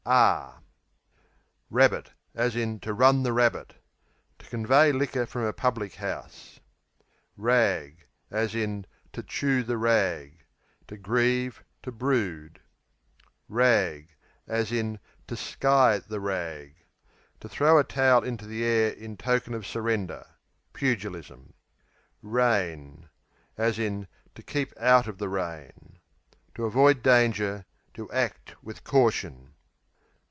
Rabbit, to run the To convey liquor from a public house. Rag, to chew the To grieve; to brood. Rag, to sky the To throw a towel into the air in token of surrender (pugilism). Rain, to keep out of the To avoid danger; to act with caution.